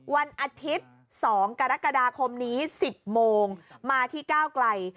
วันอาทิตย์๒กรกฎาคมนี้๑๐โมงมาที่ก้าวไกล